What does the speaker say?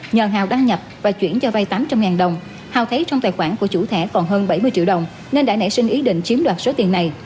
nhờ hào đăng nhập và chuyển cho vay tám trăm linh đồng hào thấy trong tài khoản của chủ thẻ còn hơn bảy mươi triệu đồng nên đã nảy sinh ý định chiếm đoạt số tiền này